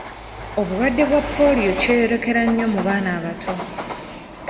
Obulwadde bwa Pooliyo kyeyolekera nnyo mu baana abato.